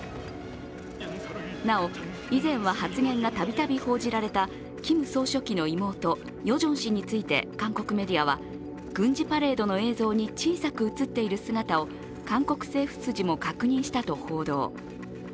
なお、以前は発言がたびたび報じられたキム総書記の妹ヨジョン氏について韓国メディアは軍事パレードの映像に小さく映っている姿も韓国政府筋も確認したと報道。